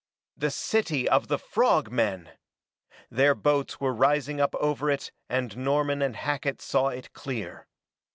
The city of the frog men! Their boats were rising up over it and Norman and Hackett saw it clear.